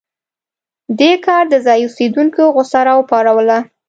دې کار د ځايي اوسېدونکو غوسه راوپاروله.